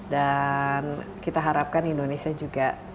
dan kita harapkan indonesia juga